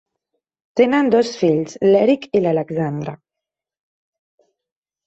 Tenen dos fills, l'Erik i l'Alexandra.